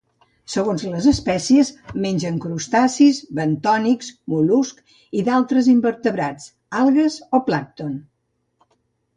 Segons les espècies, mengen crustacis bentònics, mol·luscs i d'altres invertebrats, algues o plàncton.